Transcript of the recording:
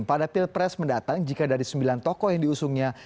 pada pilpres mendatang jika dari sembilan tokoh yang diusungnya